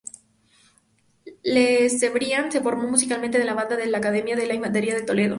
Cebrián se formó musicalmente en la banda de la Academia de Infantería de Toledo.